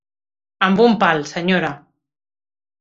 Amb un pal, senyora.